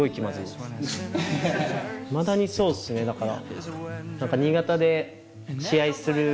いまだにそうっすねだから。